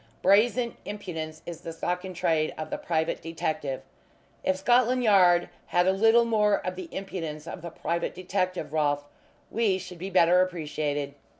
Brazen impudence is the stock in trade of the private detective. If Scotland Yard had a little more of the impudence of the private detective, Rolfe, we should be better appreciated."